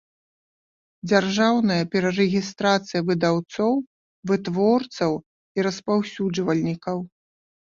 Дзяржаўная перарэгiстрацыя выдаўцоў, вытворцаў i распаўсюджвальнiкаў